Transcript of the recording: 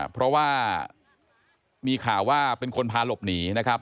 เพราะว่ามีข่าวว่าเป็นคนพาหลบหนีนะครับ